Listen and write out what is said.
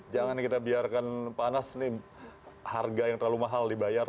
jangan kita biarkan panas ini harga yang terlalu mahal dibayar